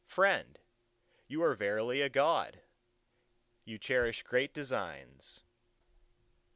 "Friend, you are verily a God! you cherish great designs."